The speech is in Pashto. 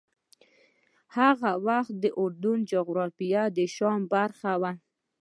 هغه وخت د اردن جغرافیه د شام برخه وه.